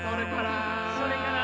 「それから」